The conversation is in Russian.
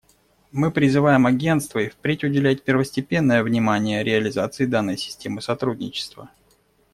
Мы призываем Агентство и впредь уделять первостепенное внимание реализации данной системы сотрудничества.